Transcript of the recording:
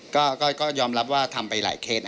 ก็ยอมรับว่าทำไปหลายเคส